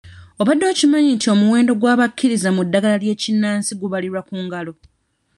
Obadde okimanyi nti omuwendo gw'abakkiririza mu ddagala ly'ekinnansi gubalirwa ku ngalo?